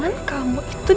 tidak ada yang bisa dihukum